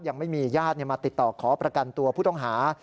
ยังไม่มีญาติมาติดต่อขอประกันตัวผู้ต้องหา